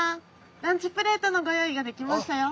ランチプレートのご用意ができましたよ。